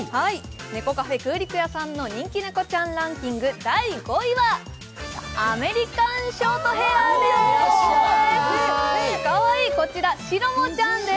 猫カフェ・空陸家さんの人気猫ちゃんランキング、第５位はアメリカン・ショートヘアです。